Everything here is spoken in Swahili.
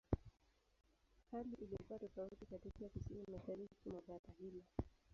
Hali ilikuwa tofauti katika Kusini-Mashariki mwa bara hilo.